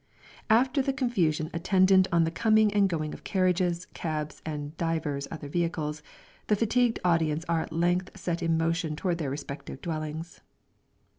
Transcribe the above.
After the confusion attendant on the coming and going of carriages, cabs and divers other vehicles, the fatigued audience are at length set in motion towards their respective dwellings.